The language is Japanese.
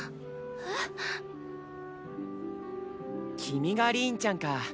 ⁉君がリーンちゃんか。